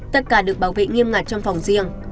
tất cả được bảo vệ nghiêm ngặt trong phòng riêng